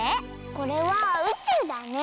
これはうちゅうだね。